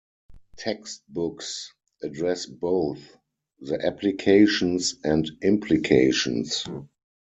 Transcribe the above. Textbooks address both the applications and implications.